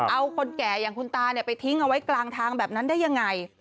เอาคนแก่อย่างคุณตาไปทิ้งเอาไว้กลางทางแบบนั้นได้ยังไง